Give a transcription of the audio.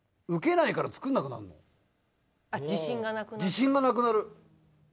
自信がなくなって？